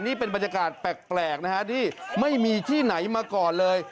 นี่เป็นบรรยากาศแปลกนะฮะที่ไม่มีที่ไหนมาก่อนเลย